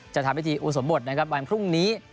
ทำพิธีอุสมบทนะครับวันพรุ่งนี้